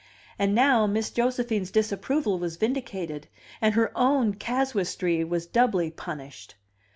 And now Miss Josephine's disapproval was vindicated, and her own casuistry was doubly punished.